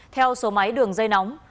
theo số máy đường dây nóng